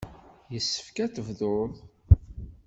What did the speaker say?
Yessefk ad tebduḍ.